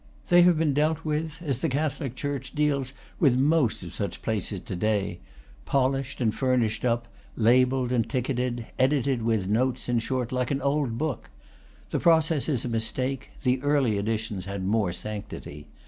They have been dealt with as the Catholic church deals with most of such places to day; polished and furnished up; labelled and ticketed, edited, with notes, in short, like an old book. The process is a mistake, the early editions had more sanctity.